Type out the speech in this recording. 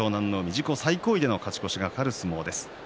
自己最高位での勝ち越しが懸かる相撲です。